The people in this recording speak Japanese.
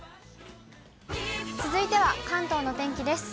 続いては関東のお天気です。